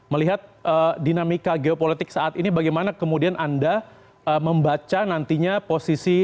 melihat dinamika geopolitik saat ini bagaimana kemudian anda membaca nantinya posisi